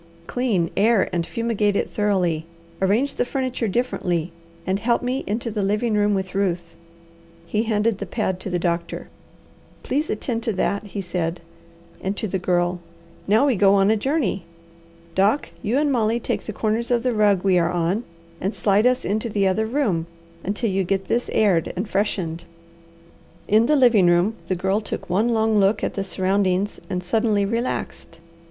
Clean, air, and fumigate it thoroughly. Arrange the furniture differently, and help me into the living room with Ruth." He handed the pad to the doctor. "Please attend to that," he said, and to the Girl: "Now we go on a journey. Doc, you and Molly take the corners of the rug we are on and slide us into the other room until you get this aired and freshened." In the living room the Girl took one long look at the surroundings and suddenly relaxed.